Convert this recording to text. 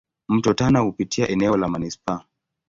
Mto Tana hupitia eneo la manispaa.